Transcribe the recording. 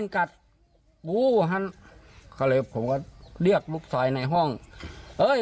ก็ไปดูปุ๊บหน่อย